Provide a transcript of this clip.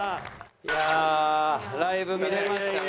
いやライブ見れましたね。